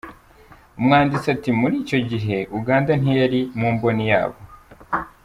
Umwanditsi ati “Muri icyo gihe, Uganda ntiyari mu mboni yabo.